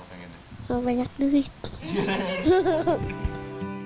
kalau banyak duit